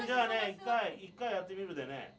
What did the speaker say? １回１回やってみるでね。